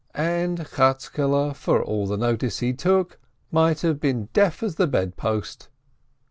And Chatzkele, for all the notice he took, might have been as deaf as the bedpost.